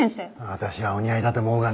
私はお似合いだと思うがね。